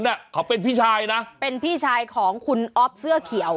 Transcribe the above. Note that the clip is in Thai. เสื้อเหลืองน่ะเขาเป็นพี่ชายนะเป็นพี่ชายของคุณอ๊อฟเสื้อเขียว